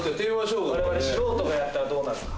我々素人がやったらどうなるか。